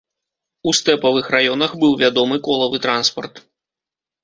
У стэпавых раёнах быў вядомы колавы транспарт.